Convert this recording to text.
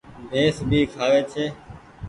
ڀيس ڀي کآوي ڇي۔